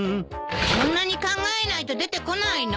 そんなに考えないと出てこないの？